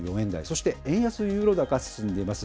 そして円安ユーロ高、進んでいます。